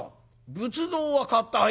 仏像は買ったが」。